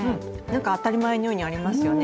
当たり前のようにありますよね。